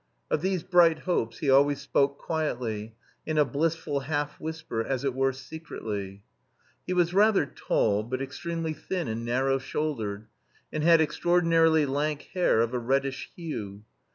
Of these "bright hopes" he always spoke quietly, in a blissful half whisper, as it were secretly. He was rather tall, but extremely thin and narrow shouldered, and had extraordinarily lank hair of a reddish hue.